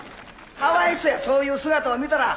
かわいそうやそういう姿を見たら。